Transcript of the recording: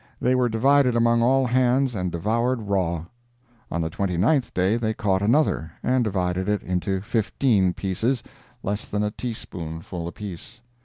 They were divided among all hands and devoured raw. On the twenty ninth day they caught another, and divided it into fifteen pieces, less than a teaspoonful apiece.